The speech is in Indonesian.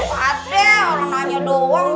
patih orang nanya doang juga